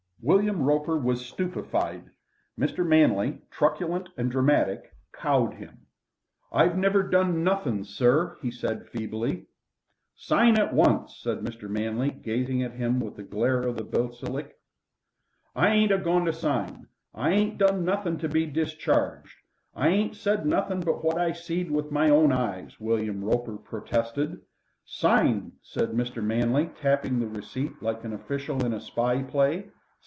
William Roper was stupefied. Mr. Manley, truculent and dramatic, cowed him. "I never done nothing, sir," he said feebly. "Sign at once!" said Mr. Manley, gazing at him with the glare of the basilisk. "I ain't agoing to sign. I ain't done nothing to be discharged. I ain't said nothing but what I seed with my own eyes," William Roper protested. "Sign!" said Mr. Manley, tapping the receipt like an official in a spy play.